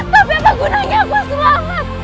tapi apa gunanya aku selamat